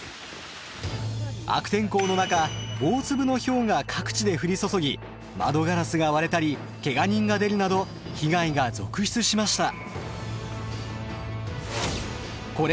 悪天候の中大粒のひょうが各地で降り注ぎ窓ガラスが割れたりけが人が出るなど被害が続出しました。